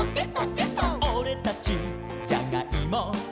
「オレたちじゃがいも」「」